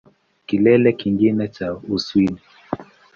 Kilele kingine cha Uswidi